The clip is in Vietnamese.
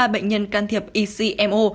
hai mươi ba bệnh nhân can thiệp ecmo